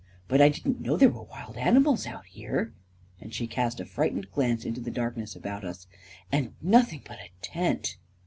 " But I didn't know there were wild animals out here," and she cast a frightened glance into the darkness about us. " And nothing but a tent